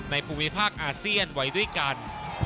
ภูมิภาคอาเซียนไว้ด้วยกัน